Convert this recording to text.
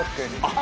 あ